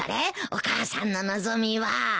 お母さんの望みは。